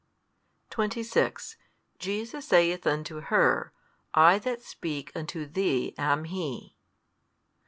26 Jesus saith unto her, I that speak unto thee am He.